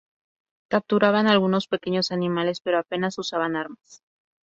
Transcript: Capturaban algunos pequeños animales, pero apenas usaban armas.